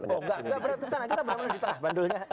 oh nggak nggak berat ke sana kita benar benar di tengah bandulnya